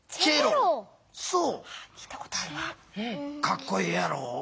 かっこええやろ？